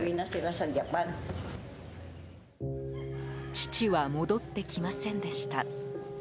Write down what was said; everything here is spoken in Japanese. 父は戻ってきませんでした。